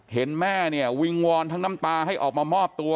เห็นแม่เนี่ยวิงวอนทั้งน้ำตาให้ออกมามอบตัว